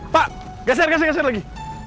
pak gasir gasir lagi